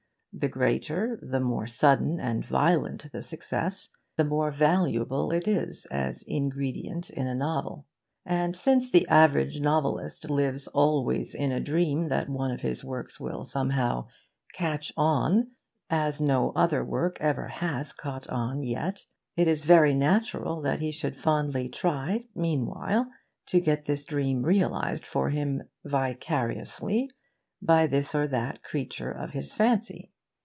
The greater, the more sudden and violent the success, the more valuable is it as ingredient in a novel. And since the average novelist lives always in a dream that one of his works will somehow 'catch on' as no other work ever has caught on yet, it is very natural that he should fondly try meanwhile to get this dream realised for him, vicariously, by this or that creature of his fancy.